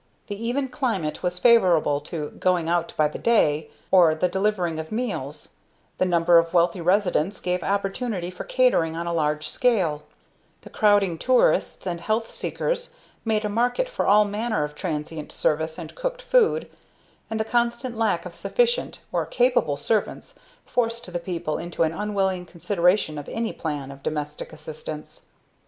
The even climate was favorable to "going out by the day," or the delivery of meals, the number of wealthy residents gave opportunity for catering on a large scale; the crowding tourists and health seekers made a market for all manner of transient service and cooked food, and the constant lack of sufficient or capable servants forced the people into an unwilling consideration of any plan of domestic assistance.